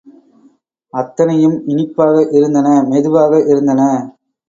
அத்தனையும் இனிப்பாக இருந்தன, மெதுவாக இருந்தன.